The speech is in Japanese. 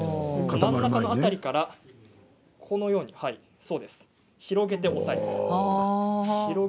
真ん中の辺りから、このように広げて押さえて。